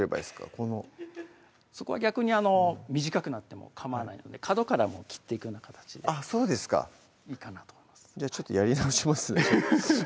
このそこは逆に短くなってもかまわないので角からもう切っていくような形であっそうですかじゃあちょっとやり直しますね